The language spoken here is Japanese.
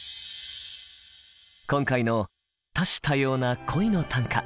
今回の多種多様な「恋の短歌」